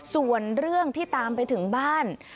ส่วนเรื่องที่ตามไปถึงบ้าน